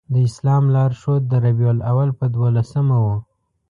د اسلام لار ښود د ربیع الاول په دولسمه و.